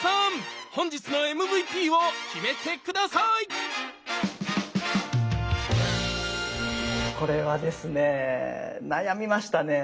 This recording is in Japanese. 本日のＭＶＰを決めて下さいこれはですね悩みましたね。